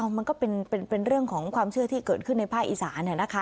มันก็เป็นเรื่องของความเชื่อที่เกิดขึ้นในภาคอีสาน